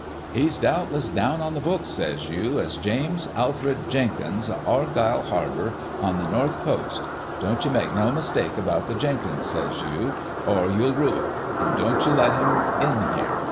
"'" He's doubtless down on the books," says you, " as James Alfred Jenkins o' Argyle Harbour on the North Coast. Don't you make no mistake about the Jenkins," says you, " or you'll rue it. An' don't you let him in here.